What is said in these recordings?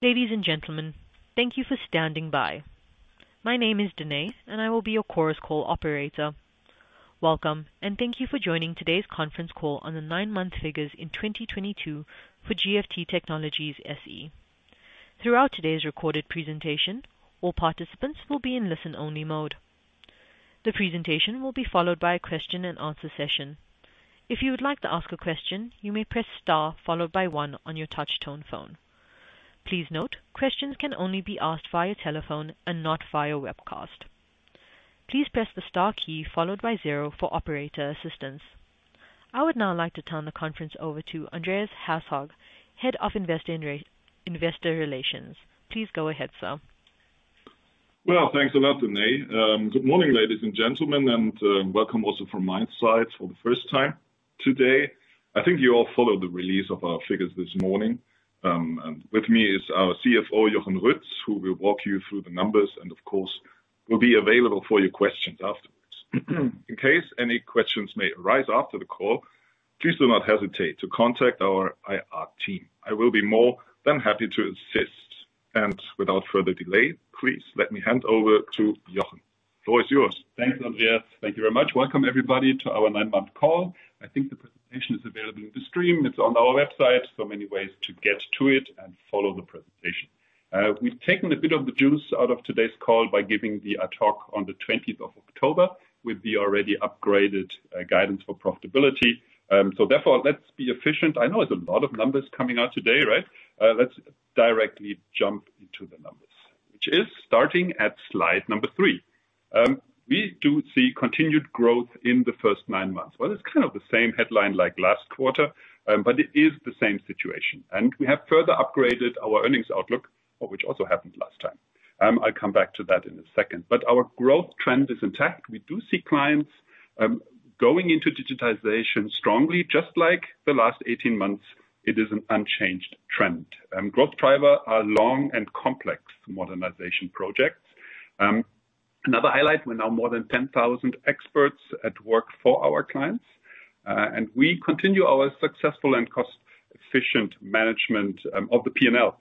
Ladies and gentlemen, thank you for standing by. My name is Danae, and I will be your Chorus Call operator. Welcome, and thank you for joining today's conference call on the nine-month figures in 2022 for GFT Technologies SE. Throughout today's recorded presentation, all participants will be in listen-only mode. The presentation will be followed by a question-and-answer session. If you would like to ask a question, you may press Star followed by one on your touch tone phone. Please note, questions can only be asked via telephone and not via webcast. Please press the Star key followed by zero for operator assistance. I would now like to turn the conference over to Andreas Herzog, Head of Investor Relations. Please go ahead, sir. Well, thanks a lot, Danae. Good morning, ladies and gentlemen, and welcome also from my side for the first time today. I think you all followed the release of our figures this morning. With me is our CFO, Jochen Ruetz, who will walk you through the numbers and, of course, will be available for your questions afterwards. In case any questions may arise after the call, please do not hesitate to contact our IR team. I will be more than happy to assist. Without further delay, please let me hand over to Jochen. The floor is yours. Thanks, Andreas. Thank you very much. Welcome everybody to our nine-month call. I think the presentation is available in the stream. It's on our website, so many ways to get to it and follow the presentation. We've taken a bit of the juice out of today's call by giving the talk on the 20th of October with the already upgraded guidance for profitability. Therefore, let's be efficient. I know it's a lot of numbers coming out today, right? Let's directly jump into the numbers. Which is starting at slide number three. We do see continued growth in the first nine months. Well, it's kind of the same headline like last quarter, but it is the same situation. We have further upgraded our earnings outlook, which also happened last time. I'll come back to that in a second. Our growth trend is intact. We do see clients going into digitization strongly, just like the last 18 months. It is an unchanged trend. Growth driver are long and complex modernization projects. Another highlight, we're now more than 10,000 experts at work for our clients. And we continue our successful and cost-efficient management of the P&L.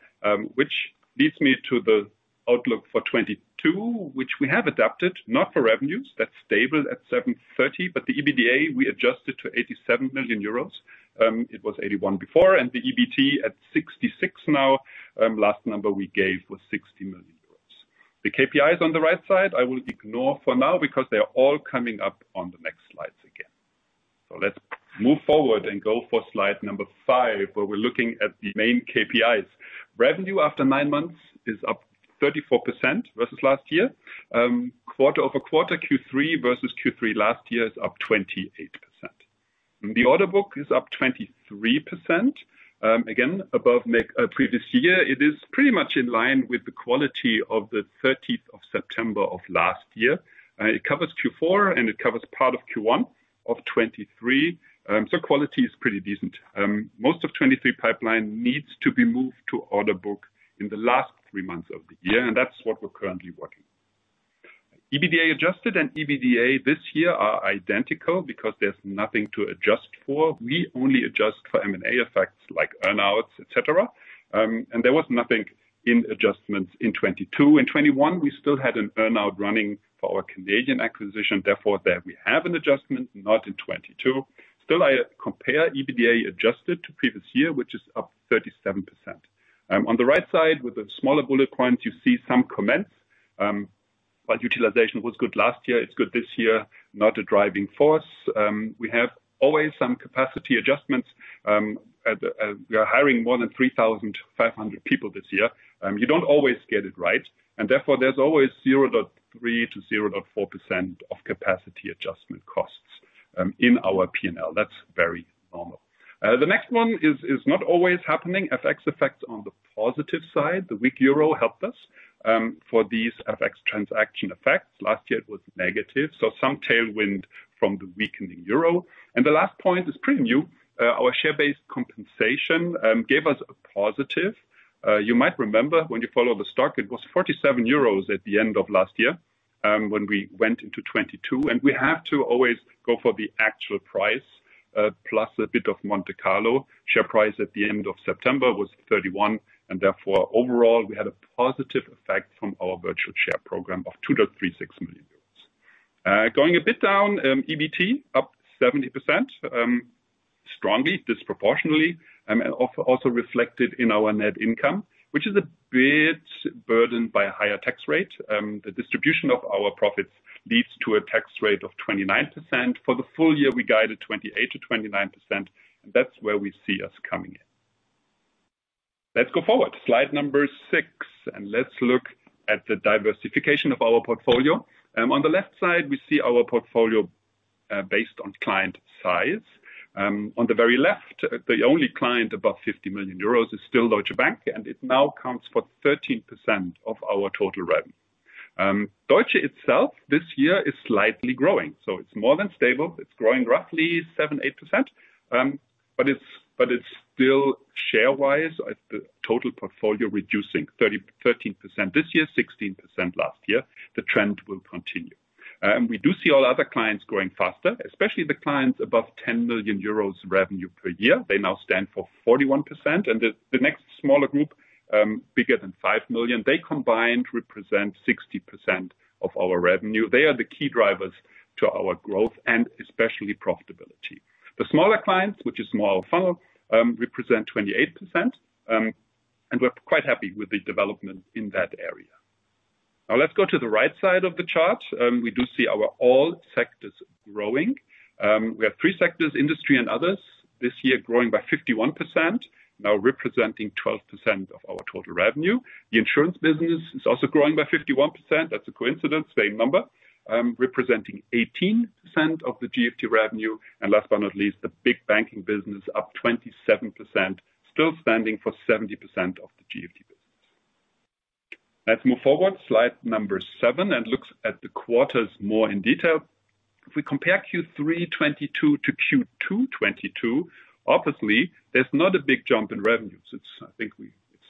Which leads me to the outlook for 2022, which we have adapted not for revenues. That's stable at 730 million, but the EBITDA we adjusted to 87 million euros. It was 81 million before, and the EBT at 66 million now. Last number we gave was 60 million euros. The KPIs on the right side I will ignore for now because they are all coming up on the next slides again. Let's move forward and go for slide number five, where we're looking at the main KPIs. Revenue after nine months is up 34% versus last year. Quarter-over-quarter, Q3 versus Q3 last year is up 28%. The order book is up 23%. Again, above previous year. It is pretty much in line with the quality of the 13th of September of last year. It covers Q4, and it covers part of Q1 of 2023, so quality is pretty decent. Most of 2023 pipeline needs to be moved to order book in the last three months of the year, and that's what we're currently working. Adjusted EBITDA and EBITDA this year are identical because there's nothing to adjust for. We only adjust for M&A effects like earn-outs, et cetera. There was nothing in adjustments in 2022. In 2021, we still had an earn-out running for our Canadian acquisition. Therefore, there we have an adjustment, not in 2022. Still, I compare Adjusted EBITDA to previous year, which is up 37%. On the right side with the smaller bullet points, you see some comments. While utilization was good last year, it's good this year, not a driving force. We have always some capacity adjustments. We are hiring more than 3,500 people this year. You don't always get it right, and therefore there's always 0.3%-0.4% of capacity adjustment costs in our P&L. That's very normal. The next one is not always happening. FX effects on the positive side. The weak euro helped us for these FX transaction effects. Last year it was negative, so some tailwind from the weakening euro. The last point is pretty new. Our share-based compensation gave us a positive. You might remember when you follow the stock, it was 47 euros at the end of last year, when we went into 2022. We have to always go for the actual price, plus a bit of Monte Carlo. Share price at the end of September was 31, and therefore overall, we had a positive effect from our virtual share program of 2.36 million euros. Going a bit down, EBT up 70%, strongly, disproportionately, and also reflected in our net income, which is a bit burdened by a higher tax rate. The distribution of our profits leads to a tax rate of 29%. For the full year, we guided 28%-29%. That's where we see us coming in. Let's go forward. Slide six, and let's look at the diversification of our portfolio. On the left side, we see our portfolio based on client size. On the very left, the only client above 50 million euros is still Deutsche Bank, and it now counts for 13% of our total revenue. Deutsche itself this year is slightly growing, so it's more than stable. It's growing roughly 7-8%. But it's still share-wise, the total portfolio reducing 13% this year, 16% last year. The trend will continue. We do see all other clients growing faster, especially the clients above 10 million euros revenue per year. They now stand for 41%. The next smaller group, bigger than 5 million, they combined represent 60% of our revenue. They are the key drivers to our growth and especially profitability. The smaller clients, which is smaller funnel, represent 28%. We're quite happy with the development in that area. Now let's go to the right side of the chart. We do see our all sectors growing. We have three sectors, industry and others this year growing by 51%, now representing 12% of our total revenue. The insurance business is also growing by 51%. That's a coincidence, same number, representing 18% of the GFT revenue. Last but not least, the big banking business up 27%, still standing for 70% of the GFT business. Let's move forward, slide number seven, and looks at the quarters more in detail. If we compare Q3 2022 to Q2 2022, obviously, there's not a big jump in revenues.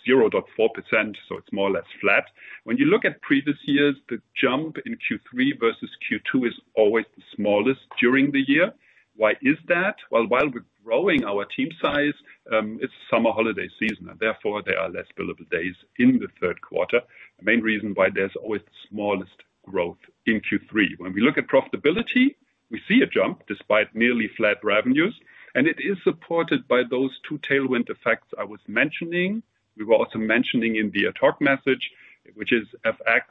It's 0.4%, so it's more or less flat. When you look at previous years, the jump in Q3 versus Q2 is always the smallest during the year. Why is that? Well, while we're growing our team size, it's summer holiday season and therefore there are less billable days in the third quarter. The main reason why there's always the smallest growth in Q3. When we look at profitability, we see a jump despite nearly flat revenues, and it is supported by those two tailwind effects I was mentioning. We were also mentioning in the ad hoc message, which is FX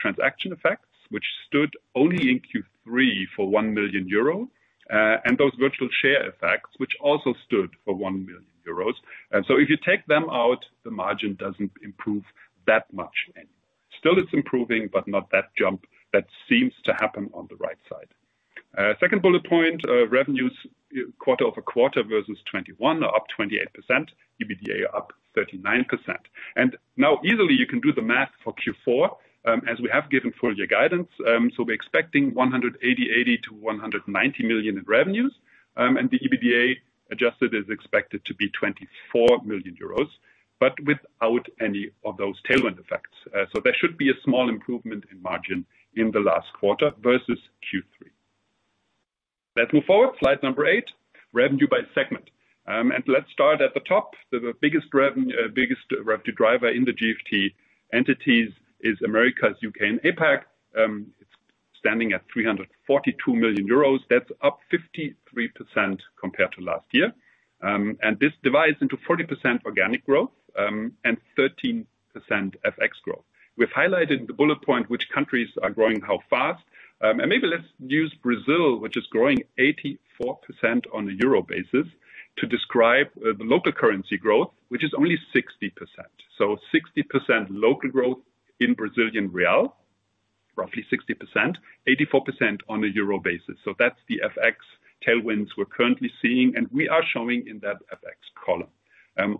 transaction effects, which stood only in Q3 for 1 million euro, and those virtual share effects, which also stood for 1 million euros. If you take them out, the margin doesn't improve that much. Still it's improving, but not that jump that seems to happen on the right side. Second bullet point, revenues quarter-over-quarter versus 2021 are up 28%, EBITDA up 39%. Now easily you can do the math for Q4, as we have given full year guidance. We're expecting 180-190 million in revenues. the Adjusted EBITDA is expected to be 24 million euros, but without any of those tailwind effects. There should be a small improvement in margin in the last quarter versus Q3. Let's move forward. Slide eight, revenue by segment. Let's start at the top. The biggest revenue driver in the GFT entities is Americas, U.K., and APAC. It's standing at 342 million euros. That's up 53% compared to last year. This divides into 40% organic growth and 13% FX growth. We've highlighted the bullet point which countries are growing how fast. Maybe let's use Brazil, which is growing 84% on a euro basis, to describe the local currency growth, which is only 60%. 60% local growth in Brazilian real, roughly 60%, 84% on a euro basis. That's the FX tailwinds we're currently seeing and we are showing in that FX column.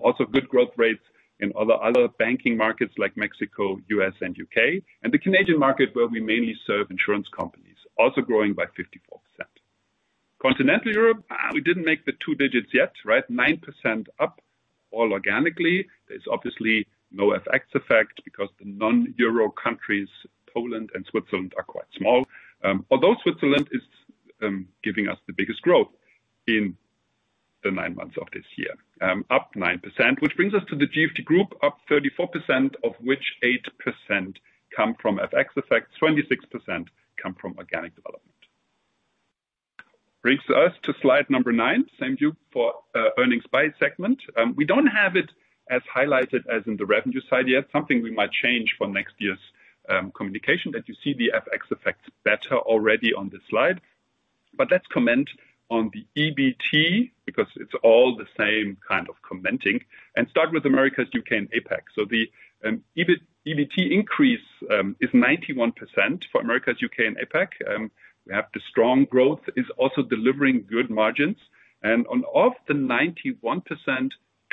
Also good growth rates in other banking markets like Mexico, U.S., and U.K., and the Canadian market where we mainly serve insurance companies, also growing by 54%. Continental Europe, we didn't make the two digits yet, right? 9% up all organically. There's obviously no FX effect because the non-euro countries, Poland and Switzerland, are quite small. Although Switzerland is giving us the biggest growth in the nine months of this year, up 9%, which brings us to the GFT Group, up 34% of which 8% come from FX effects, 26% come from organic development. Brings us to slide number nine. Same view for earnings by segment. We don't have it as highlighted as in the revenue side yet. Something we might change for next year's communication that you see the FX effects better already on this slide. Let's comment on the EBT because it's all the same kind of commenting. Start with Americas, U.K., and APAC. The EBT increase is 91% for Americas, U.K., and APAC. We have the strong growth is also delivering good margins. Of the 91%,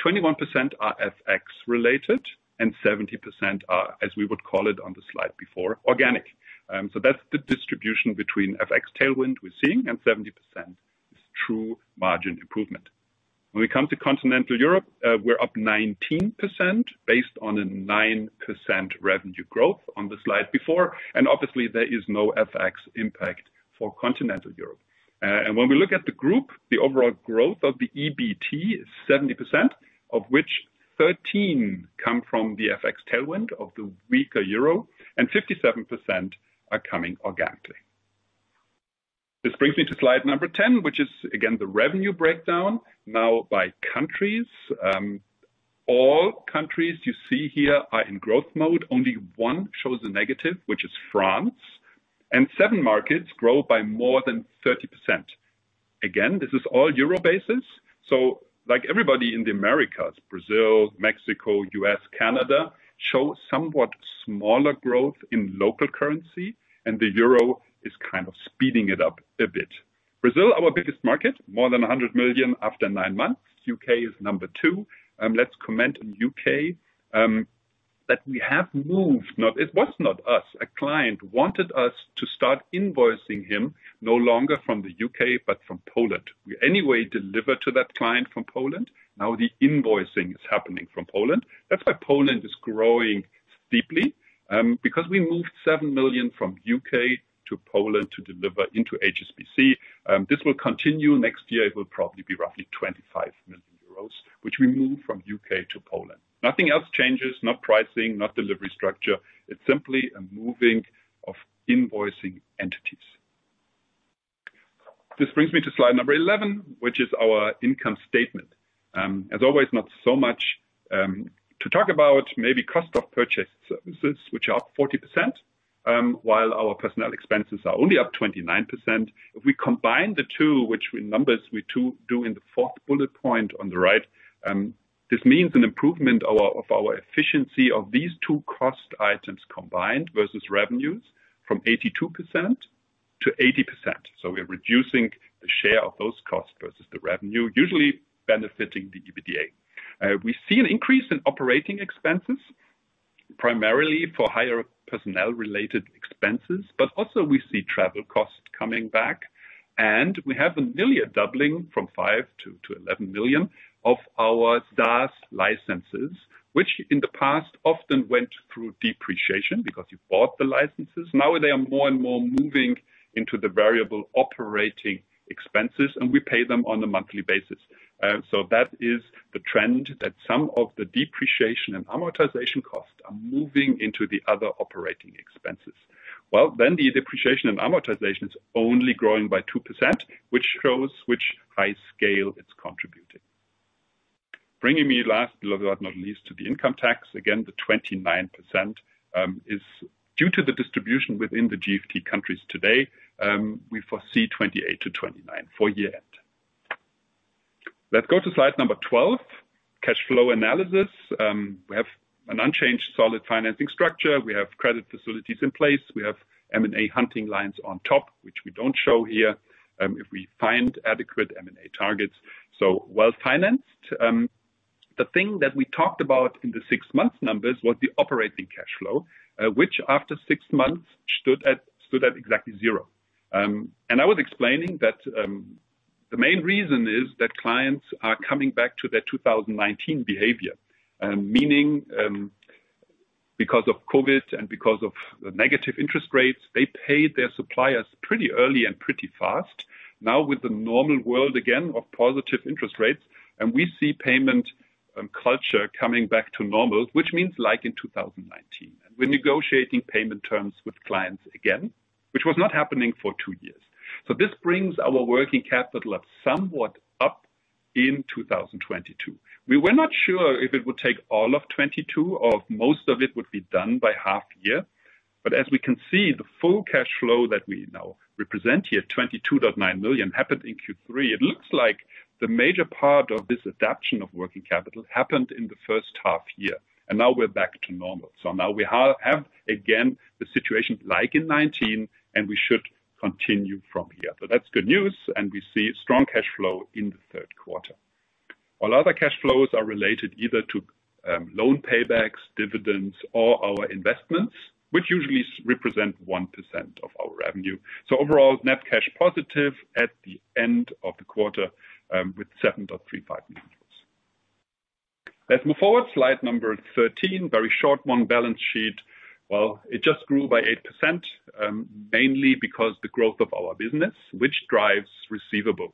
21% are FX related and 70% are, as we would call it on the slide before, organic. That's the distribution between FX tailwind we're seeing and 70% is true margin improvement. When we come to Continental Europe, we're up 19% based on a 9% revenue growth on the slide before. Obviously, there is no FX impact for Continental Europe. When we look at the group, the overall growth of the EBT is 70%, of which 13 come from the FX tailwind of the weaker euro and 57% are coming organically. This brings me to slide number 10, which is again, the revenue breakdown now by countries. All countries you see here are in growth mode. Only one shows a negative, which is France. Seven markets grow by more than 30%. Again, this is all euro basis. Like everybody in the Americas, Brazil, Mexico, U.S., Canada, show somewhat smaller growth in local currency, and the euro is kind of speeding it up a bit. Brazil, our biggest market, more than 100 million after nine months. U.K. is number two. Let's comment on U.K., that we have moved. Now, it was not us. A client wanted us to start invoicing him no longer from the U.K., but from Poland. We anyway deliver to that client from Poland. Now the invoicing is happening from Poland. That's why Poland is growing deeply, because we moved 7 million from U.K. to Poland to deliver into HSBC, this will continue. Next year it will probably be roughly 25 million euros, which we move from U.K. to Poland. Nothing else changes, not pricing, not delivery structure. It's simply a moving of invoicing entities. This brings me to slide number 11, which is our income statement. As always, not so much to talk about maybe cost of purchased services, which are up 40%, while our personnel expenses are only up 29%. If we combine the two, which with numbers we do in the fourth bullet point on the right, this means an improvement of our efficiency of these two cost items combined versus revenues from 82%-80%. We're reducing the share of those costs versus the revenue, usually benefiting the EBITDA. We see an increase in operating expenses, primarily for higher personnel-related expenses, but also we see travel costs coming back. We have nearly a doubling from 5-11 million of our SaaS licenses, which in the past often went through depreciation because you bought the licenses. Now they are more and more moving into the variable operating expenses, and we pay them on a monthly basis. That is the trend that some of the depreciation and amortization costs are moving into the other operating expenses. The depreciation and amortization is only growing by 2%, which shows the high scale it's contributing. Bringing me last but not least to the income tax. Again, the 29% is due to the distribution within the GFT countries today. We foresee 28%-29% for year-end. Let's go to slide number 12, cash flow analysis. We have an unchanged solid financing structure. We have credit facilities in place. We have M&A hunting lines on top, which we don't show here, if we find adequate M&A targets. Well-financed. The thing that we talked about in the six-month numbers was the operating cash flow, which after six months stood at exactly zero. I was explaining that, the main reason is that clients are coming back to their 2019 behavior, meaning, because of COVID and because of negative interest rates, they paid their suppliers pretty early and pretty fast. Now with the normal world again of positive interest rates, and we see payment culture coming back to normal, which means like in 2019. We're negotiating payment terms with clients again, which was not happening for two years. This brings our working capital up somewhat in 2022. We were not sure if it would take all of 2022 or if most of it would be done by half year. As we can see, the full cash flow that we now represent here, 22.9 million, happened in Q3. It looks like the major part of this adaption of working capital happened in the first half year, and now we're back to normal. Now we have, again, the situation like in 2019, and we should continue from here. That's good news, and we see strong cash flow in the third quarter. All other cash flows are related either to loan paybacks, dividends, or our investments, which usually represent 1% of our revenue. Overall, net cash positive at the end of the quarter, with 7.35 million euros. Let's move forward. Slide number 13, very short one, balance sheet. Well, it just grew by 8%, mainly because the growth of our business, which drives receivables.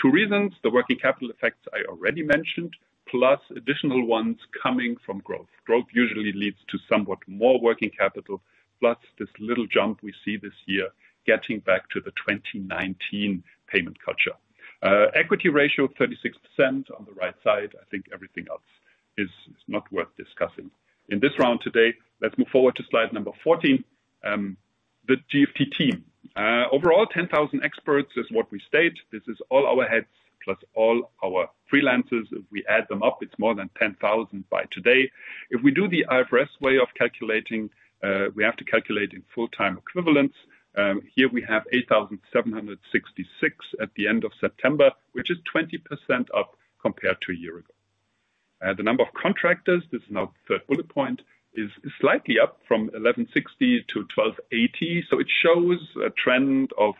Two reasons, the working capital effects I already mentioned, plus additional ones coming from growth. Growth usually leads to somewhat more working capital. Plus this little jump we see this year getting back to the 2019 payment culture. Equity ratio of 36% on the right side. I think everything else is not worth discussing in this round today. Let's move forward to slide number 14. The GFT team. Overall, 10,000 experts is what we state. This is all our heads plus all our freelancers. If we add them up, it's more than 10,000 by today. If we do the IFRS way of calculating, we have to calculate in full-time equivalents. Here we have 8,766 at the end of September, which is 20% up compared to a year ago. The number of contractors, this is now the third bullet point, is slightly up from 1,160-1,280. It shows a trend of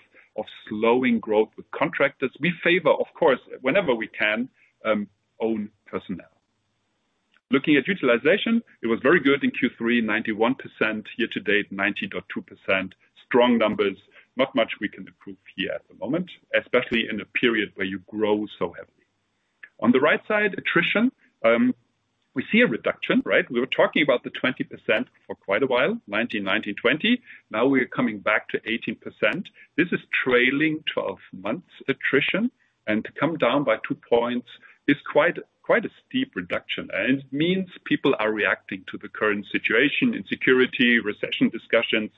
slowing growth with contractors. We favor, of course, whenever we can, own personnel. Looking at utilization, it was very good in Q3, 91% year to date, 90.2%. Strong numbers. Not much we can improve here at the moment, especially in a period where you grow so heavily. On the right side, attrition. We see a reduction, right? We were talking about the 20% for quite a while, 19, 20. Now we are coming back to 18%. This is trailing twelve months attrition, and to come down by two points is quite a steep reduction. It means people are reacting to the current situation, insecurity, recession discussions,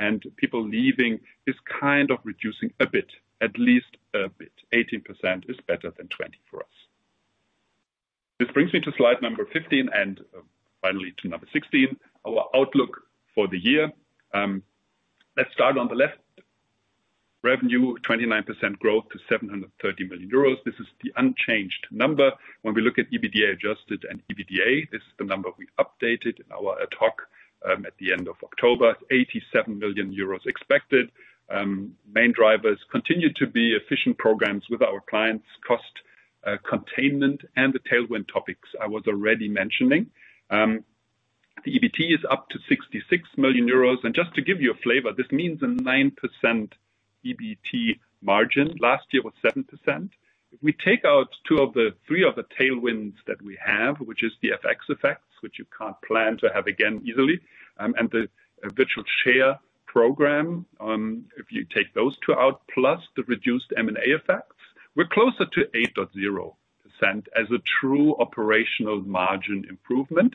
and people leaving is kind of reducing a bit, at least a bit. 18% is better than 20% for us. This brings me to slide number 15 and finally to number 16, our outlook for the year. Let's start on the left. Revenue, 29% growth to 730 million euros. This is the unchanged number. When we look at Adjusted EBITDA and EBITDA, this is the number we updated in our ad hoc at the end of October. 87 million euros expected. Main drivers continue to be efficient programs with our clients, cost containment and the tailwind topics I was already mentioning. EBT is up to 66 million euros. Just to give you a flavor, this means a 9% EBT margin. Last year was 7%. If we take out two of the three tailwinds that we have, which is the FX effects, which you can't plan to have again easily, and the virtual share program, if you take those two out, plus the reduced M&A effects, we're closer to 8.0% as a true operational margin improvement.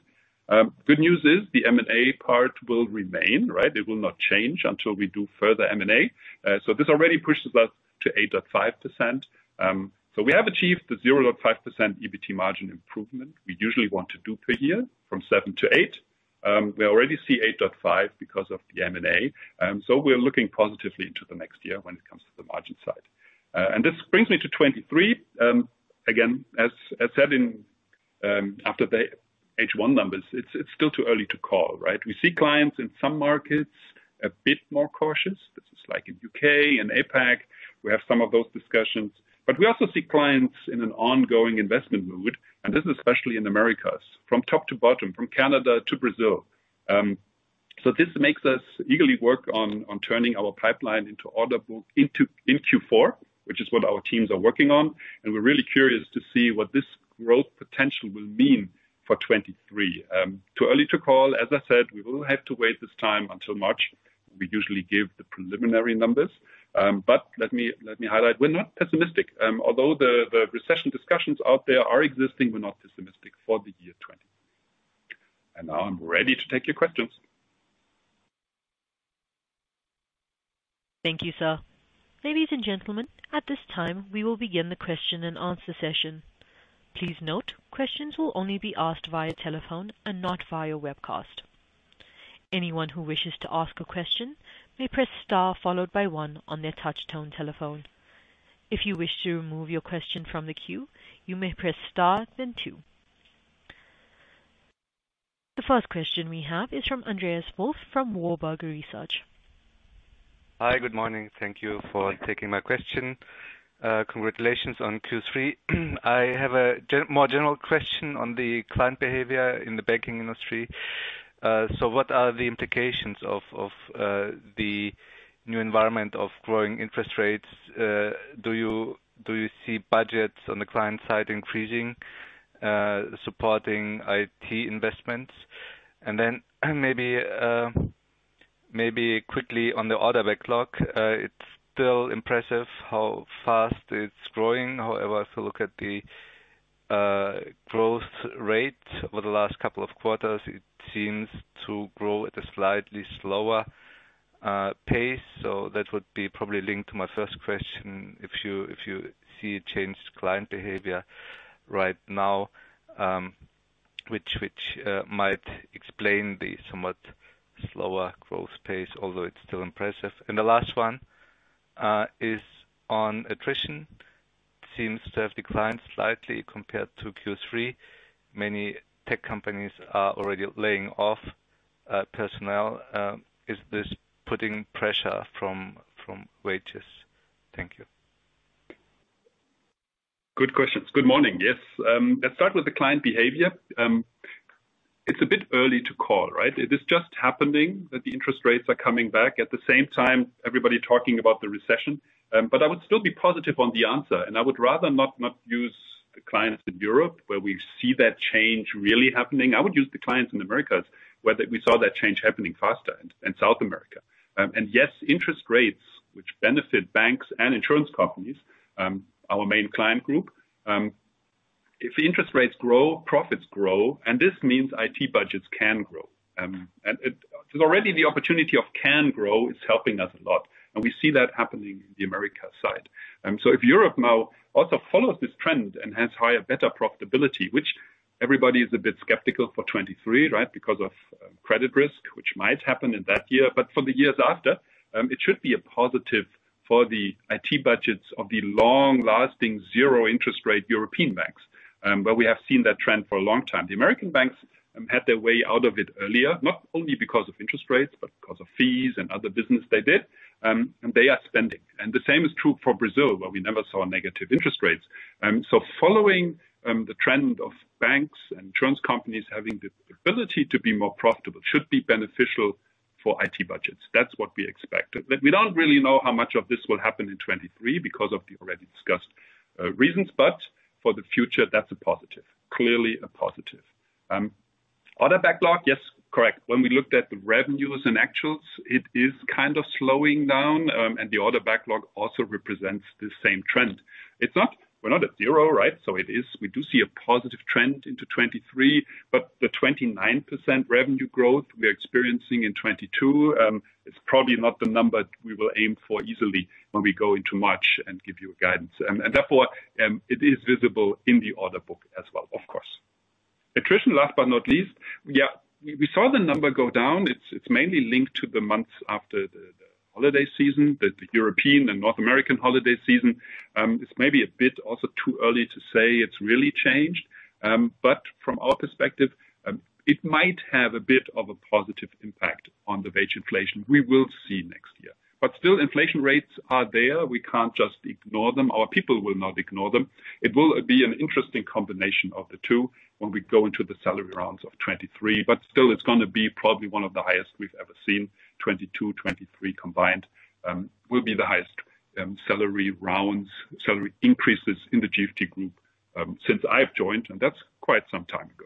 Good news is the M&A part will remain, right? It will not change until we do further M&A. This already pushes us to 8.5%. We have achieved the 0.5% EBT margin improvement we usually want to do per year from 7%-8%. We already see 8.5% because of the M&A. We're looking positively into the next year when it comes to the margin side. This brings me to 2023. Again, as said after the H1 numbers, it's still too early to call, right? We see clients in some markets a bit more cautious. This is like in U.K. and APAC. We have some of those discussions. We also see clients in an ongoing investment mood, and this is especially in Americas, from top to bottom, from Canada to Brazil. This makes us eagerly work on turning our pipeline into order book in Q4, which is what our teams are working on. We're really curious to see what this growth potential will mean for 2023. Too early to call. As I said, we will have to wait this time until March. We usually give the preliminary numbers. But let me highlight, we're not pessimistic. Although the recession discussions out there are existing, we're not pessimistic for the year 2023. Now I'm ready to take your questions. Thank you, sir. Ladies and gentlemen, at this time, we will begin the question-and-answer session. Please note, questions will only be asked via telephone and not via webcast. Anyone who wishes to ask a question may press star followed by one on their touch tone telephone. If you wish to remove your question from the queue, you may press star then two. The first question we have is from Andreas Wolf from Warburg Research. Hi. Good morning. Thank you for taking my question. Congratulations on Q3. I have a more general question on the client behavior in the banking industry. What are the implications of the new environment of growing interest rates? Do you see budgets on the client side increasing, supporting IT investments? Then maybe quickly on the order backlog, it's still impressive how fast it's growing. However, if you look at the growth rate over the last couple of quarters, it seems to grow at a slightly slower pace. That would be probably linked to my first question. If you see a changed client behavior right now, which might explain the somewhat slower growth pace, although it's still impressive. The last one is on attrition. Seems to have declined slightly compared to Q3. Many tech companies are already laying off personnel. Is this putting pressure from wages? Thank you. Good questions. Good morning. Yes, let's start with the client behavior. It's a bit early to call, right? It is just happening that the interest rates are coming back. At the same time, everybody talking about the recession. I would still be positive on the answer, and I would rather not use the clients in Europe, where we see that change really happening. I would use the clients in Americas, where we saw that change happening faster, in South America. Yes, interest rates, which benefit banks and insurance companies, our main client group, if the interest rates grow, profits grow, and this means IT budgets can grow. Already the opportunity to grow is helping us a lot, and we see that happening in the Americas side. If Europe now also follows this trend and has higher, better profitability, which everybody is a bit skeptical for 2023, right, because of credit risk, which might happen in that year. For the years after, it should be a positive for the IT budgets of the long-lasting zero interest rate European banks, where we have seen that trend for a long time. The American banks had their way out of it earlier, not only because of interest rates, but because of fees and other business they did. They are spending. The same is true for Brazil, where we never saw negative interest rates. Following the trend of banks and insurance companies having the ability to be more profitable should be beneficial for IT budgets. That's what we expected. We don't really know how much of this will happen in 2023 because of the already discussed reasons. For the future, that's a positive, clearly a positive. Order backlog, yes, correct. When we looked at the revenues and actuals, it is kind of slowing down, and the order backlog also represents the same trend. We're not at zero, right? We do see a positive trend into 2023, but the 29% revenue growth we are experiencing in 2022 is probably not the number we will aim for easily when we go into March and give you guidance. Therefore, it is visible in the order book as well, of course. Attrition, last but not least. Yeah, we saw the number go down. It's mainly linked to the months after the holiday season, the European and North American holiday season. It's maybe a bit also too early to say it's really changed. From our perspective, it might have a bit of a positive impact on the wage inflation we will see next year. Still inflation rates are there. We can't just ignore them. Our people will not ignore them. It will be an interesting combination of the two when we go into the salary rounds of 2023. Still it's gonna be probably one of the highest we've ever seen. 2022, 2023 combined will be the highest salary increases in the GFT Group since I've joined, and that's quite some time ago.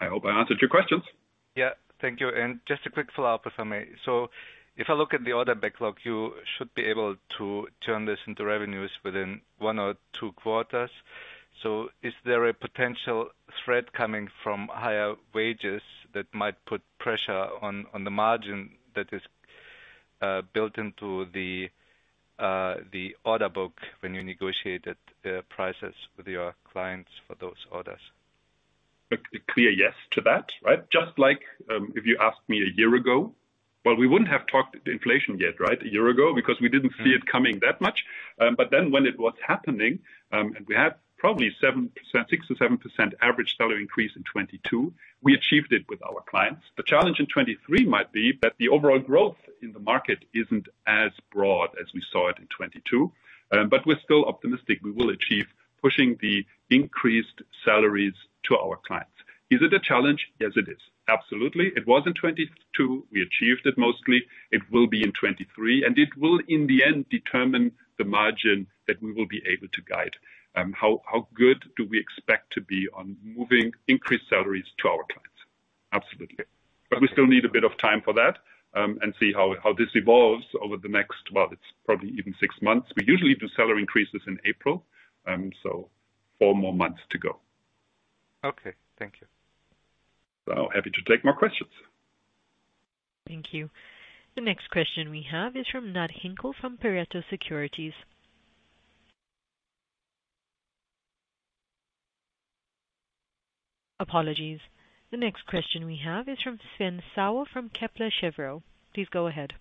I hope I answered your questions. Yeah. Thank you. Just a quick follow-up for me. If I look at the order backlog, you should be able to turn this into revenues within one or two quarters. Is there a potential threat coming from higher wages that might put pressure on the margin that is built into the order book when you negotiated prices with your clients for those orders? A clear yes to that, right? Just like if you asked me a year ago. Well, we wouldn't have talked inflation yet, right, a year ago, because we didn't see it coming that much. Then when it was happening, and we had probably 6%-7% average salary increase in 2022, we achieved it with our clients. The challenge in 2023 might be that the overall growth in the market isn't as broad as we saw it in 2022. We're still optimistic we will achieve pushing the increased salaries to our clients. Is it a challenge? Yes, it is. Absolutely. It was in 2022. We achieved it mostly. It will be in 2023, and it will in the end determine the margin that we will be able to guide. How good do we expect to be on moving increased salaries to our clients? Absolutely. We still need a bit of time for that, and see how this evolves over the next, well, it's probably even six months. We usually do salary increases in April, so four more months to go. Okay. Thank you. Well, happy to take more questions. Thank you. The next question we have is from Knud Hinkel from Pareto Securities. Apologies. The next question we have is from Sven Sauer from Kepler Cheuvreux. Please go ahead.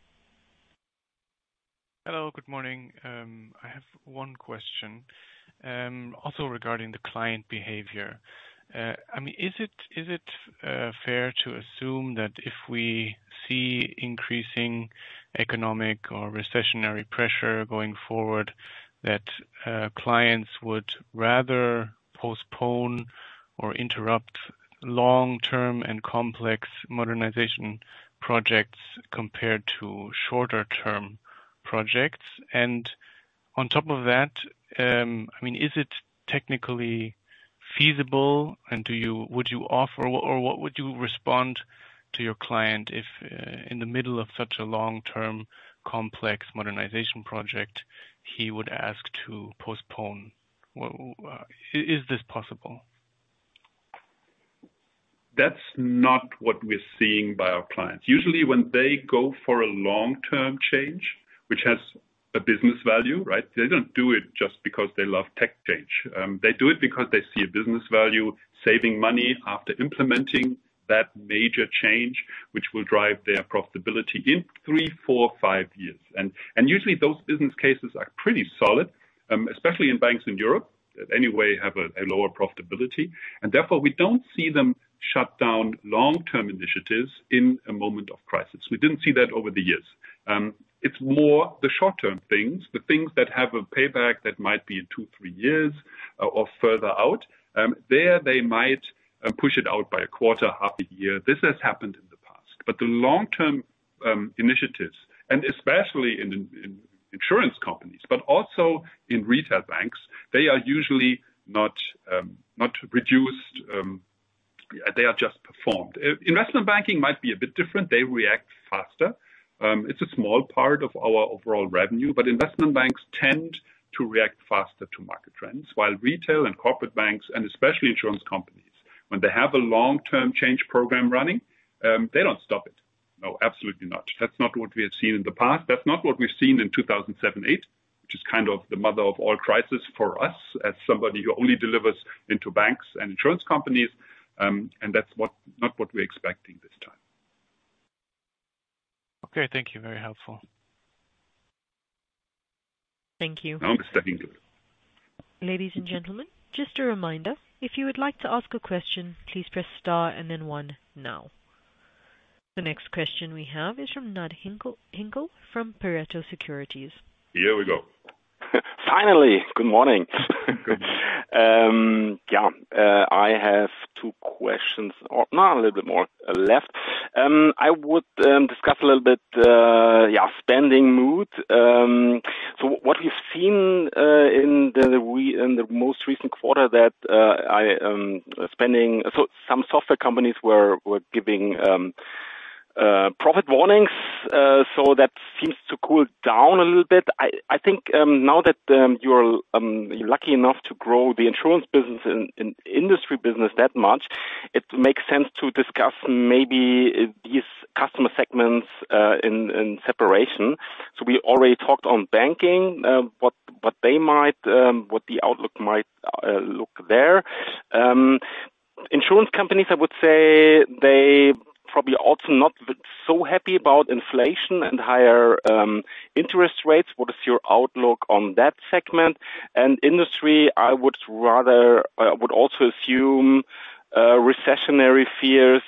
Hello. Good morning. I have one question, also regarding the client behavior. I mean, is it fair to assume that if we see increasing economic or recessionary pressure going forward that clients would rather postpone or interrupt long-term and complex modernization projects compared to shorter-term projects? On top of that, I mean, is it technically feasible and would you offer or what would you respond to your client if, in the middle of such a long-term complex modernization project he would ask to postpone? What is this possible? That's not what we're seeing from our clients. Usually when they go for a long-term change, which has a business value, right? They don't do it just because they love tech change. They do it because they see a business value saving money after implementing that major change, which will drive their profitability in three, four, five years. Usually those business cases are pretty solid, especially in banks in Europe that anyway have a lower profitability. Therefore, we don't see them shut down long-term initiatives in a moment of crisis. We didn't see that over the years. It's more the short-term things, the things that have a payback that might be in two, three years or further out. There they might push it out by a quarter, half a year. This has happened in the past. The long-term initiatives and especially in insurance companies, but also in retail banks, they are usually not reduced. They are just performed. Investment banking might be a bit different. They react faster. It's a small part of our overall revenue, but investment banks tend to react faster to market trends while retail and corporate banks, and especially insurance companies, when they have a long-term change program running, they don't stop it. No, absolutely not. That's not what we have seen in the past. That's not what we've seen in 2007, 2008, which is kind of the mother of all crises for us as somebody who only delivers into banks and insurance companies. That's not what we're expecting this time. Okay. Thank you. Very helpful. Thank you. No, understanding. Ladies and gentlemen, just a reminder, if you would like to ask a question, please press star and then one now. The next question we have is from Knud Hinkel from Pareto Securities. Here we go. Finally. Good morning. Good. Yeah. I have two questions, or no, a little bit more left. I would discuss a little bit, yeah, spending mood. What we've seen in the most recent quarter. Some software companies were giving profit warnings. That seems to cool down a little bit. I think now that you're lucky enough to grow the insurance and industry business that much, it makes sense to discuss maybe these customer segments in separation. We already talked on banking, what the outlook might look like there. Insurance companies, I would say they probably also not so happy about inflation and higher interest rates. What is your outlook on that segment? I would also assume recessionary fears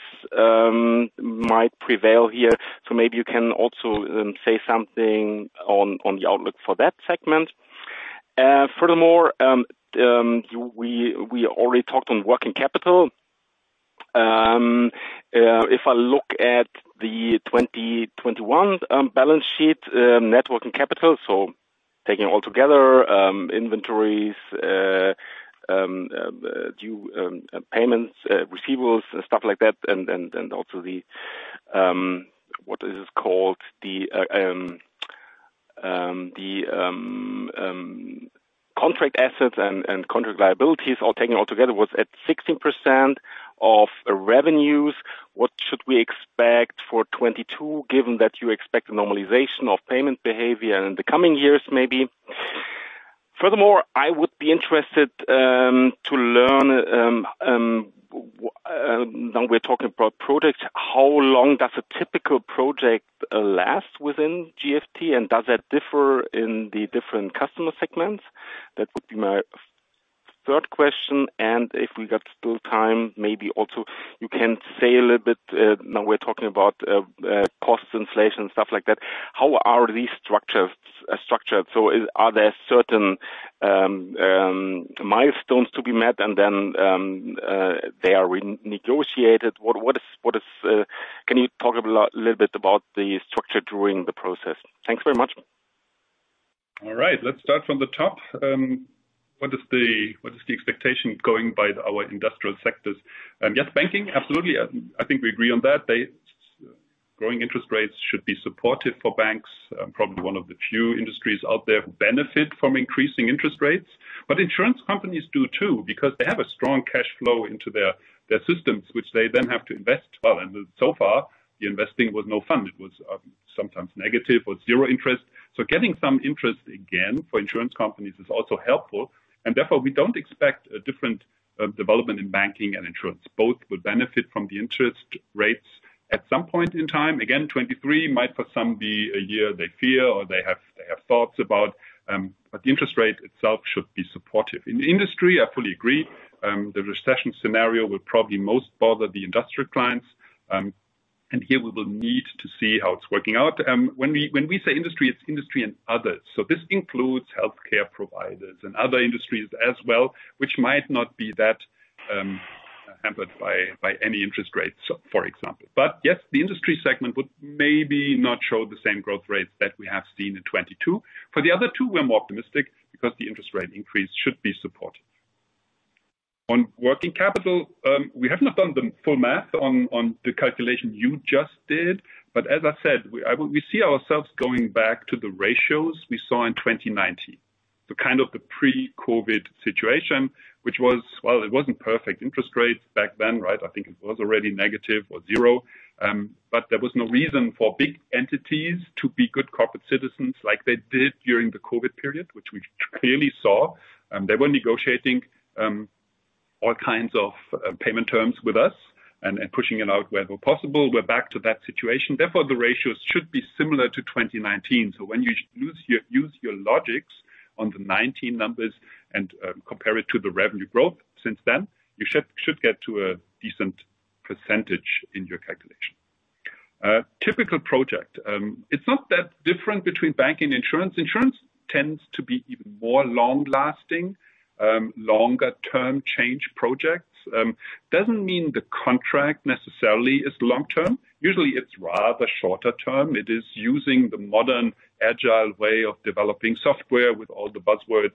might prevail here. Maybe you can also say something on the outlook for that segment. Furthermore, we already talked on working capital. If I look at the 2021 balance sheet, net working capital, so taking all together, inventories, due payments, receivables, stuff like that, and also the, what is it called, the contract assets and contract liabilities all taken all together was at 16% of revenues. What should we expect for 2022, given that you expect a normalization of payment behavior in the coming years, maybe? Furthermore, I would be interested to learn now we're talking about projects. How long does a typical project last within GFT, and does that differ in the different customer segments? That would be my third question. If we got still time, maybe also you can say a little bit, now we're talking about cost inflation and stuff like that. How are these structures structured? Are there certain milestones to be met and then they are re-negotiated? What is, can you talk a little bit about the structure during the process? Thanks very much. All right. Let's start from the top. What is the expectation going by our industrial sectors? Yes, banking, absolutely. I think we agree on that. Growing interest rates should be supportive for banks. Probably one of the few industries out there who benefit from increasing interest rates. Insurance companies do too, because they have a strong cash flow into their systems, which they then have to invest well. So far, the investing was no fun. It was sometimes negative or zero interest. Getting some interest again for insurance companies is also helpful. Therefore, we don't expect a different development in banking and insurance. Both will benefit from the interest rates at some point in time. Again, 2023 might for some be a year they fear or they have thoughts about, but the interest rate itself should be supportive. In the industry, I fully agree. The recession scenario will probably most bother the industrial clients. Here we will need to see how it's working out. When we say industry, it's industry and others. This includes healthcare providers and other industries as well, which might not be that hampered by any interest rates, for example. Yes, the industry segment would maybe not show the same growth rates that we have seen in 2022. For the other two, we're more optimistic because the interest rate increase should be supported. On working capital, we have not done the full math on the calculation you just did. As I said, we see ourselves going back to the ratios we saw in 2019. That kind of the pre-COVID situation, which was. Well, it wasn't perfect. Interest rates back then, right? I think it was already negative or zero. They were negotiating all kinds of payment terms with us and pushing it out wherever possible. We're back to that situation. Therefore, the ratios should be similar to 2019. When you use your logic on the 2019 numbers and compare it to the revenue growth since then, you should get to a decent percentage in your calculation. Typical project. It's not that different between bank and insurance. Insurance tends to be even more long-lasting, longer-term change projects. It doesn't mean the contract necessarily is long-term. Usually, it's rather shorter term. It is using the modern agile way of developing software with all the buzzwords,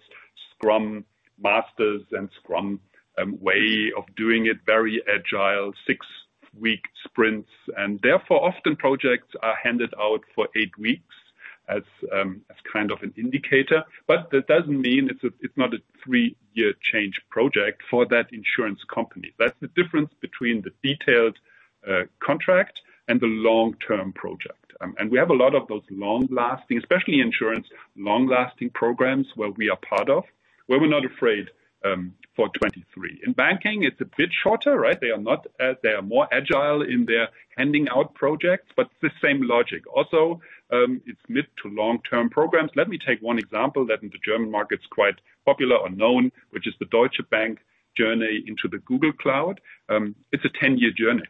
Scrum Masters and Scrum way of doing it, very agile, six-week sprints. Therefore, often projects are handed out for eight weeks as kind of an indicator. That doesn't mean it's not a three-year change project for that insurance company. That's the difference between the detailed contract and the long-term project. We have a lot of those long-lasting, especially insurance, long-lasting programs where we are part of, where we're not afraid for 2023. In banking, it's a bit shorter, right? They are more agile in their handing out projects, but it's the same logic. It's mid to long-term programs. Let me take one example that in the German market is quite popular or known, which is the Deutsche Bank journey into the Google Cloud. It's a 10-year journey,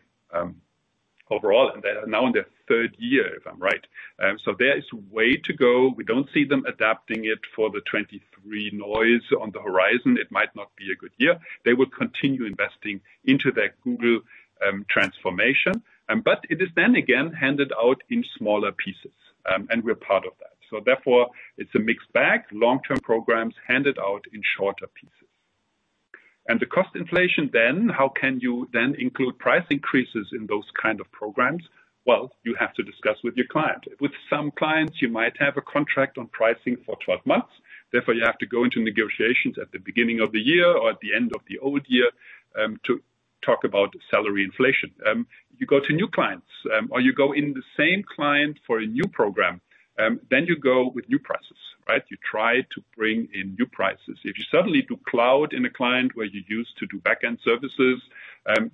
overall, and they are now in their third year, if I'm right. There is way to go. We don't see them adapting it for the 2023 noise on the horizon. It might not be a good year. They will continue investing into their Google transformation. It is then again handed out in smaller pieces, and we're part of that. Therefore, it's a mixed bag. Long-term programs handed out in shorter pieces. The cost inflation then, how can you then include price increases in those kind of programs? Well, you have to discuss with your client. With some clients, you might have a contract on pricing for 12 months. Therefore, you have to go into negotiations at the beginning of the year or at the end of the old year, to talk about salary inflation. You go to new clients, or you go in the same client for a new program, then you go with new prices, right? You try to bring in new prices. If you suddenly do cloud in a client where you used to do back-end services,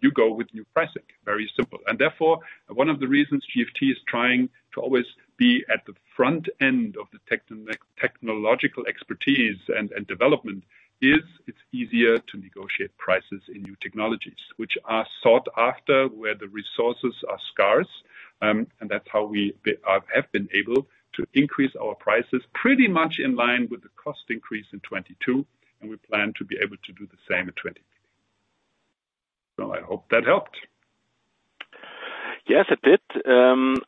you go with new pricing. Very simple. Therefore, one of the reasons GFT is trying to always be at the front end of the technological expertise and development is it's easier to negotiate prices in new technologies, which are sought after where the resources are scarce. That's how we have been able to increase our prices pretty much in line with the cost increase in 2022, and we plan to be able to do the same in 2023. I hope that helped. Yes, it did.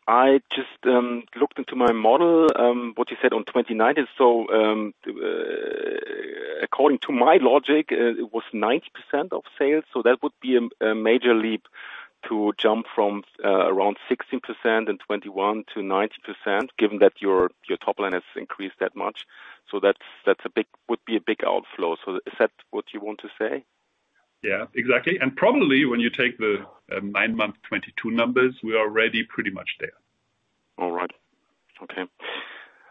I just looked into my model, what you said on 2029. According to my logic, it was 90% of sales, so that would be a major leap to jump from around 16% in 2021 to 90%, given that your top line has increased that much. That would be a big outflow. Is that what you want to say? Yeah, exactly. Probably when you take the nine month 2022 numbers, we are already pretty much there. All right. Okay.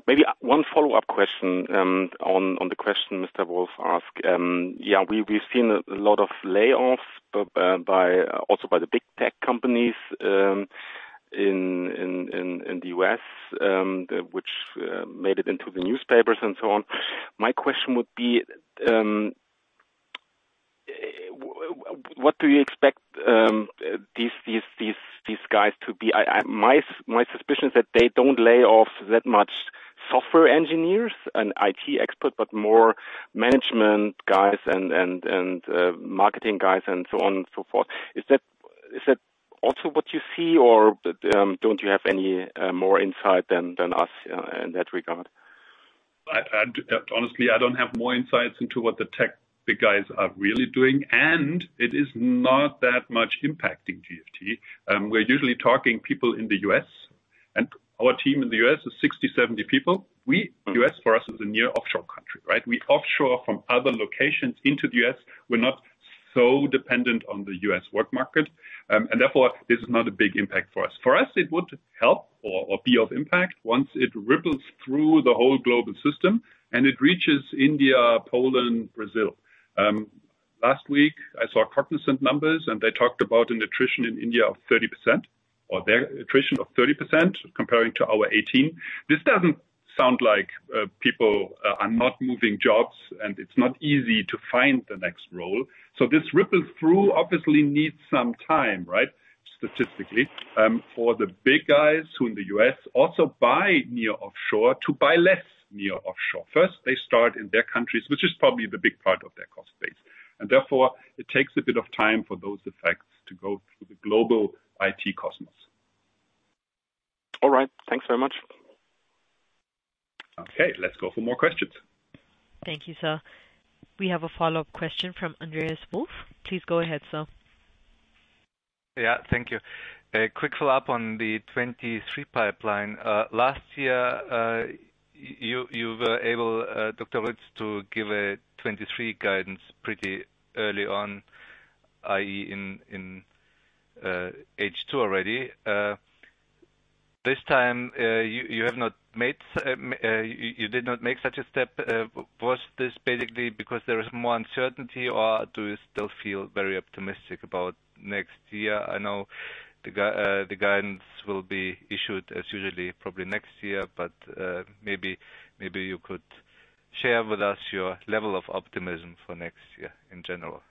Maybe one follow-up question on the question Mr. Wolf asked. Yeah, we've seen a lot of layoffs by also by the big tech companies in the U.S., which made it into the newspapers and so on. My question would be, what do you expect these guys to be? My suspicion is that they don't lay off that much software engineers and IT experts, but more management guys and marketing guys and so on and so forth. Is that also what you see or don't you have any more insight than us in that regard? Honestly, I don't have more insights into what the tech guys are really doing, and it is not that much impacting GFT. We're usually talking people in the U.S., and our team in the U.S. is 60-70 people. U.S. for us is a nearshore country, right? We offshore from other locations into the U.S.. We're not so dependent on the U.S. labor market, and therefore, this is not a big impact for us. For us, it would help or be of impact once it ripples through the whole global system and it reaches India, Poland, Brazil. Last week I saw Cognizant numbers, and they talked about an attrition in India of 30% or their attrition of 30% comparing to our 18%. This doesn't sound like people are not moving jobs, and it's not easy to find the next role. This ripple through obviously needs some time, right? Statistically, for the big guys who in the US also buy nearshore to buy less nearshore. First, they start in their countries, which is probably the big part of their cost base, and therefore it takes a bit of time for those effects to go through the global IT cosmos. All right. Thanks very much. Okay, let's go for more questions. Thank you, sir. We have a follow-up question from Andreas Wolf. Please go ahead, sir. Yeah. Thank you. A quick follow-up on the 2023 pipeline. Last year, you were able, Dr. Ruetz, to give a 2023 guidance pretty early on, i.e., in H2 already. This time, you did not make such a step. Was this basically because there is more uncertainty or do you still feel very optimistic about next year? I know the guidance will be issued as usual probably next year, but maybe you could share with us your level of optimism for next year in general.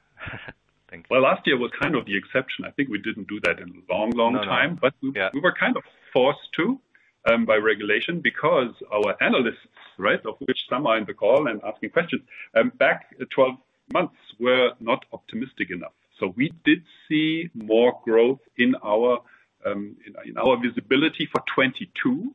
Thank you. Well, last year was kind of the exception. I think we didn't do that in a long, long time. Yeah. We were kind of forced to by regulation because our analysts, right, of which some are in the call and asking questions, back 12 months were not optimistic enough. We did see more growth in our visibility for 2022,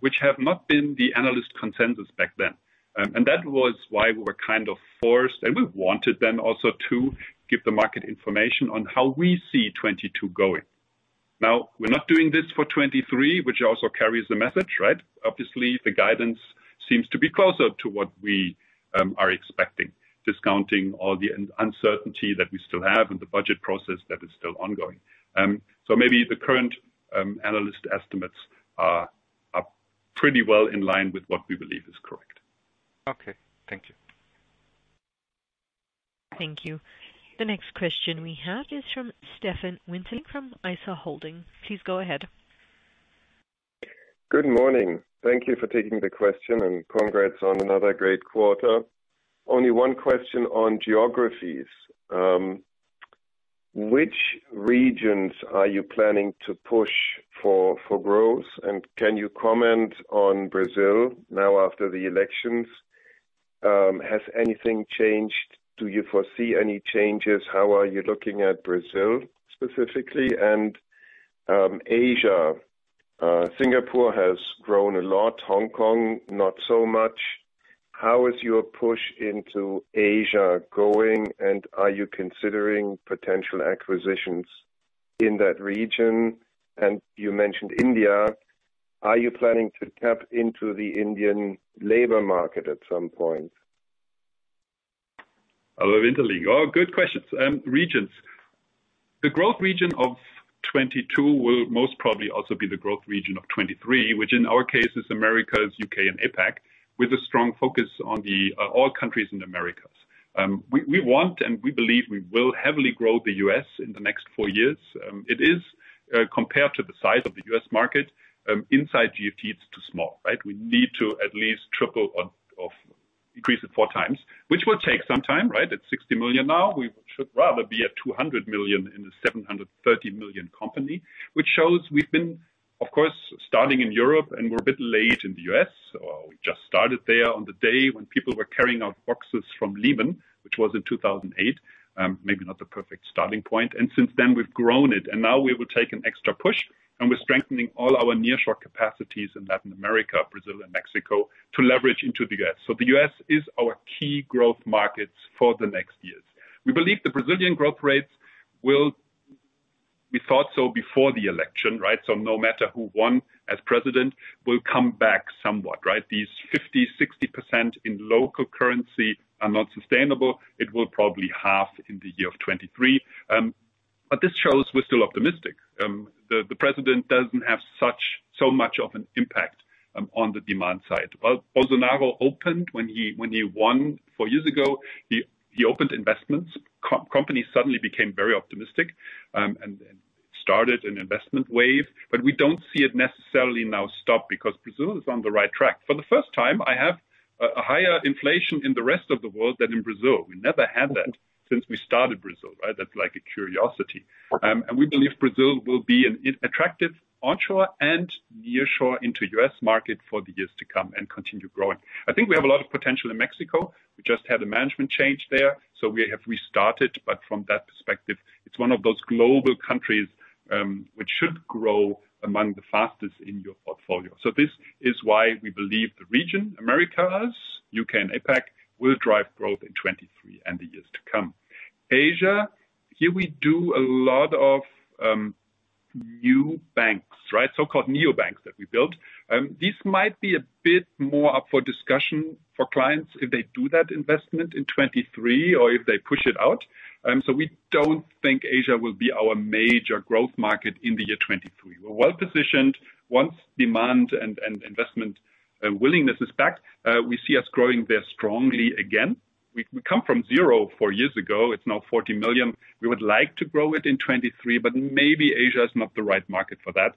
which have not been the analyst consensus back then. That was why we were kind of forced, and we wanted them also to give the market information on how we see 2022 going. Now, we're not doing this for 2023, which also carries the message, right? Obviously, the guidance seems to be closer to what we are expecting, discounting all the uncertainty that we still have and the budget process that is still ongoing. Maybe the current analyst estimates are pretty well in line with what we believe is correct. Okay. Thank you. Thank you. The next question we have is from Stefan Winterling from Isar Holding. Please go ahead. Good morning. Thank you for taking the question and congrats on another great quarter. Only one question on geographies. Which regions are you planning to push for growth? And can you comment on Brazil now after the elections? Has anything changed? Do you foresee any changes? How are you looking at Brazil specifically? Asia. Singapore has grown a lot, Hong Kong not so much. How is your push into Asia going, and are you considering potential acquisitions in that region? And you mentioned India. Are you planning to tap into the Indian labor market at some point? Hello, Winterling. Oh, good questions. Regions. The growth region of 2022 will most probably also be the growth region of 2023, which in our case is Americas, U.K. and APAC, with a strong focus on all countries in Americas. We want and we believe we will heavily grow the U.S. in the next four years. It is compared to the size of the U.S. market, inside GFT it's too small, right? We need to at least triple or increase it four times, which will take some time, right? It's 60 million now. We should rather be at 200 million in the 730 million company, which shows we've been, of course, starting in Europe, and we're a bit late in the U.S., so we just started there on the day when people were carrying out boxes from Lehman Brothers, which was in 2008. Maybe not the perfect starting point. Since then, we've grown it. Now we will take an extra push, and we're strengthening all our nearshore capacities in Latin America, Brazil and Mexico to leverage into the U.S. The U.S. is our key growth market for the next years. We believe the Brazilian growth rates will. We thought so before the election, right? No matter who won as president, will come back somewhat, right? These 50%-60% in local currency are not sustainable. It will probably halve in 2023. This shows we're still optimistic. The president doesn't have so much of an impact on the demand side. Bolsonaro opened when he won four years ago. He opened investments. Companies suddenly became very optimistic and started an investment wave. We don't see it necessarily now stopping because Brazil is on the right track. For the first time, I have a higher inflation in the rest of the world than in Brazil. We never had that since we started Brazil, right? That's like a curiosity. We believe Brazil will be an attractive onshore and nearshore to U.S. market for the years to come and continue growing. I think we have a lot of potential in Mexico. We just had a management change there, so we have restarted. From that perspective, it's one of those global countries, which should grow among the fastest in your portfolio. This is why we believe the region, Americas, U.K., and APAC, will drive growth in 2023 and the years to come. Asia, here we do a lot of new banks, right, so-called neobanks that we built. This might be a bit more up for discussion for clients if they do that investment in 2023 or if they push it out. We don't think Asia will be our major growth market in the year 2023. We're well-positioned. Once demand and investment willingness is back, we see us growing there strongly again. We come from zero to four years ago. It's now 40 million. We would like to grow it in 2023, but maybe Asia is not the right market for that.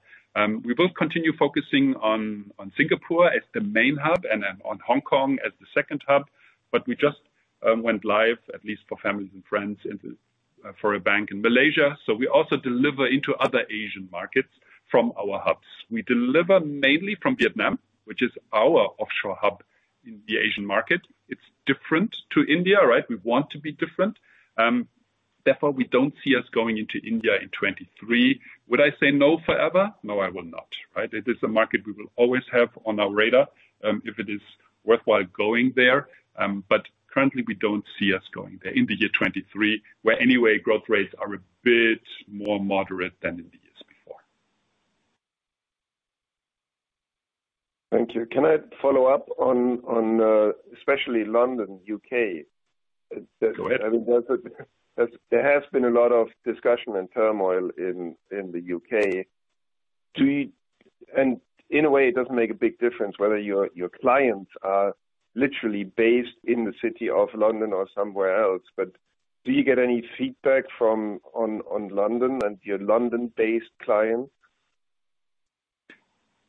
We will continue focusing on Singapore as the main hub and then on Hong Kong as the second hub. We just went live, at least for families and friends, for a bank in Malaysia. We also deliver into other Asian markets from our hubs. We deliver mainly from Vietnam, which is our offshore hub in the Asian market. It's different to India, right? We want to be different. Therefore, we don't see us going into India in 2023. Would I say no forever? No, I will not. Right? It is a market we will always have on our radar, if it is worthwhile going there. Currently, we don't see us going there in the year 2023, where anyway growth rates are a bit more moderate than in the years before. Thank you. Can I follow up on especially London, U.K.? Go ahead. I mean, there has been a lot of discussion and turmoil in the U.K.. In a way, it doesn't make a big difference whether your clients are literally based in the city of London or somewhere else. Do you get any feedback on London and your London-based clients?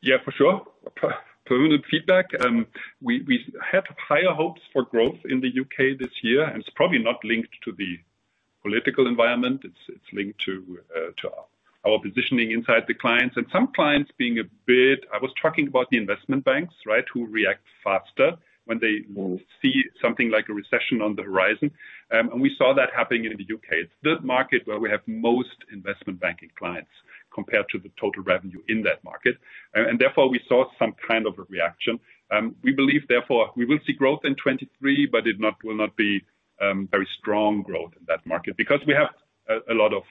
Yeah, for sure. Per unit feedback, we had higher hopes for growth in the U.K. this year, and it's probably not linked to the political environment. It's linked to our positioning inside the clients and some clients being a bit, I was talking about the investment banks, right, who react faster when they will see something like a recession on the horizon. We saw that happening in the U.K.. It's the market where we have most investment banking clients compared to the total revenue in that market. Therefore, we saw some kind of a reaction. We believe, therefore, we will see growth in 2023, but it will not be very strong growth in that market. Because we have a lot of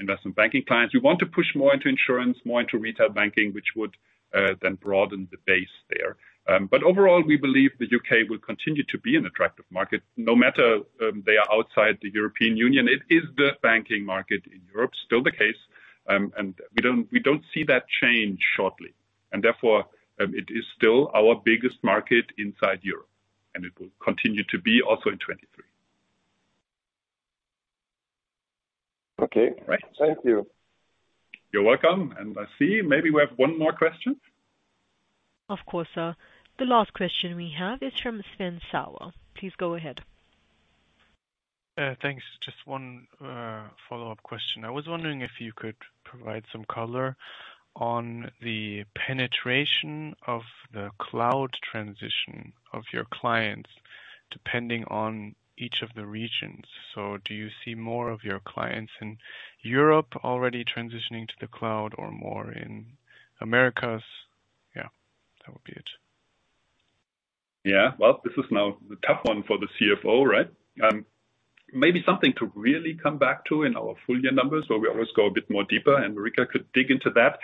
investment banking clients, we want to push more into insurance, more into retail banking, which would then broaden the base there. Overall, we believe the U.K. will continue to be an attractive market. No matter, they are outside the European Union, it is the banking market in Europe, still the case. We don't see that change shortly. Therefore, it is still our biggest market inside Europe, and it will continue to be also in 2023. Okay. Right. Thank you. You're welcome. I see maybe we have one more question. Of course, sir. The last question we have is from Sven Sauer. Please go ahead. Thanks. Just one follow-up question. I was wondering if you could provide some color on the penetration of the cloud transition of your clients, depending on each of the regions. Do you see more of your clients in Europe already transitioning to the cloud or more in Americas? Yeah, that would be it. Yeah. Well, this is now the tough one for the CFO, right? Maybe something to really come back to in our full year numbers where we always go a bit more deeper, and Marika Lulay could dig into that.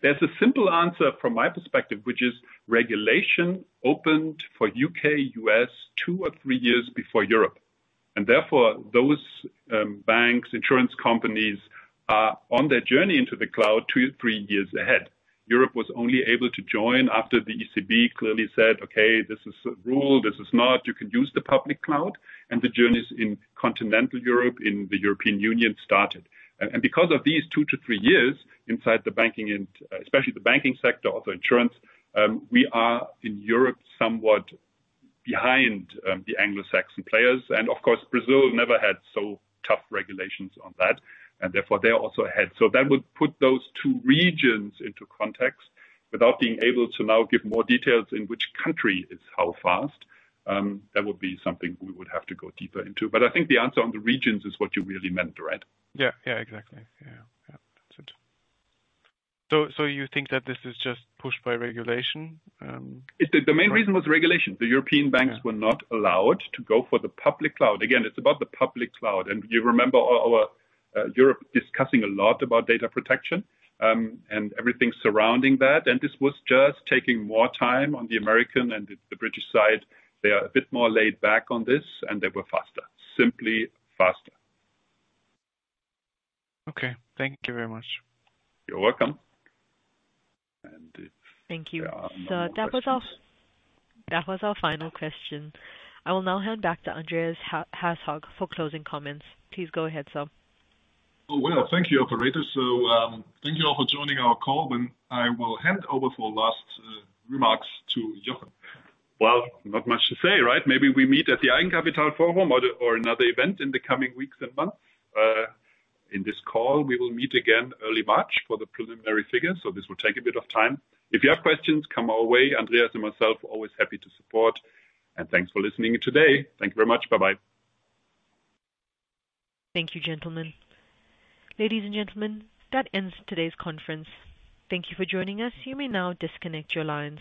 There's a simple answer from my perspective, which is regulation opened for U.K., U.S. two or three years before Europe. Therefore, those, banks, insurance companies are on their journey into the cloud two, three years ahead. Europe was only able to join after the ECB clearly said, "Okay, this is a rule. This is not. You can use the public cloud." The journeys in Continental Europe, in the European Union started. Because of these two to three years inside the banking and, especially the banking sector, also insurance, we are in Europe somewhat behind, the Anglo-Saxon players. Of course, Brazil never had so tough regulations on that, and therefore they are also ahead. That would put those two regions into context without being able to now give more details in which country is how fast. That would be something we would have to go deeper into. I think the answer on the regions is what you really meant, right? Yeah. Yeah, exactly. Yeah. Yeah. That's it. You think that this is just pushed by regulation? The main reason was regulation. The European banks were not allowed to go for the public cloud. Again, it's about the public cloud. You remember our Europe discussing a lot about data protection, and everything surrounding that, and this was just taking more time on the American and the British side. They are a bit more laid back on this, and they were faster. Simply faster. Okay. Thank you very much. You're welcome. Thank you. There are no more questions. That was our final question. I will now hand back to Andreas Herzog for closing comments. Please go ahead, sir. Thank you, operator. Thank you all for joining our call, and I will hand over for final remarks to Jochen. Well, not much to say, right? Maybe we meet at the Eigenkapitalforum or another event in the coming weeks and months in this call. We will meet again early March for the preliminary figures, so this will take a bit of time. If you have questions, come our way. Andreas and myself are always happy to support. Thanks for listening today. Thank you very much. Bye-bye. Thank you, gentlemen. Ladies and gentlemen, that ends today's conference. Thank you for joining us. You may now disconnect your lines.